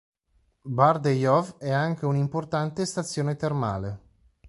Bardejov è anche un'importante stazione termale.